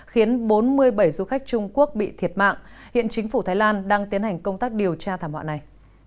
khiến bốn mươi bảy du khách trung quốc bị thiệt mạng hiện chính phủ thái lan đang tiến hành công tác điều tra thảm họa này